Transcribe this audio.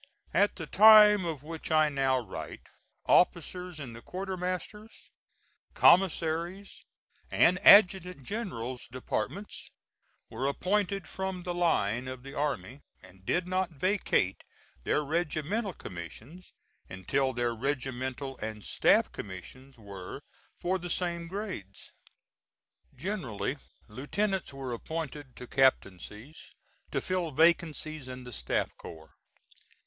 At the time of which I now write, officers in the quartermaster's, commissary's and adjutant general's departments were appointed from the line of the army, and did not vacate their regimental commissions until their regimental and staff commissions were for the same grades. Generally lieutenants were appointed to captaincies to fill vacancies in the staff corps.